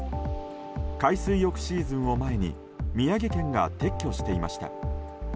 海水浴シーズンを前に宮城県が撤去していました。